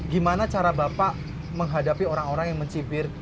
gimana cara bapak menghadapi orang orang yang mencibir